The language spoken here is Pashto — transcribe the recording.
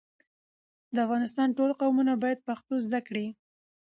د افغانستان ټول قومونه بايد پښتو زده کړي.